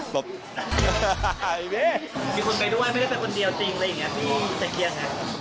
พี่ใส่เคียงอะไร